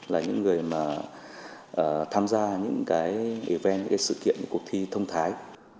là những người mà tham gia những cái even những cái sự kiện những cuộc thi thông thái